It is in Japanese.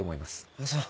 ああそう。